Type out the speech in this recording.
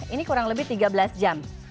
ini kurang lebih tiga belas jam